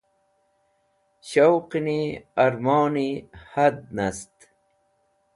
Showqẽni ẽrmoni had nast.